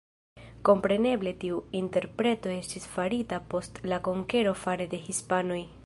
Kompreneble tiu interpreto estis farita post la konkero fare de hispanoj.